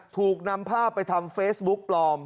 ถูกนำภาพไปทำเฟซบุ๊กปลอม